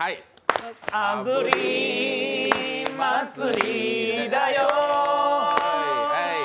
あぶり祭りだよ